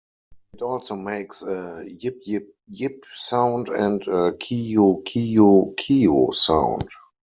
It also makes a "yip yip yip" sound and a "kee-u, kee-u, kee-u" sound.